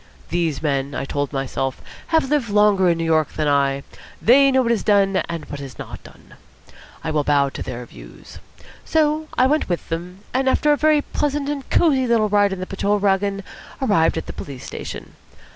These men, I told myself, have lived longer in New York than I. They know what is done and what is not done. I will bow to their views. So I went with them, and after a very pleasant and cosy little ride in the patrol waggon, arrived at the police station.